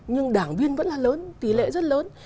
nhưng đảng viên vẫn là lớn tỷ lệ rất lớn